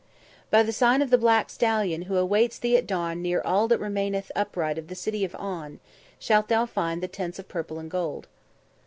"By the sign of the black stallion who awaits thee at dawn near all that remaineth upright of the City of On, shalt thou find the Tents of Purple and Gold."